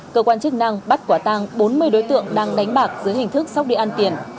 cơ quan chức năng bắt quả tang bốn mươi đối tượng đang đánh bạc dưới hình thức sóc điện an tiền